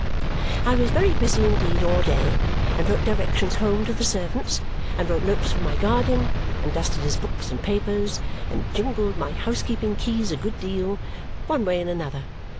I was very busy indeed all day and wrote directions home to the servants, and wrote notes for my guardian, and dusted his books and papers, and jingled my housekeeping keys a good deal, one way and another.